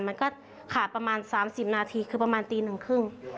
มันก็ขาดประมาณ๓๐นาทีคือประมาณตีหนึ่งครึ่ง